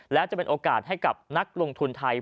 และจะเป็นโอกาสให้กับนักลงทุนไทย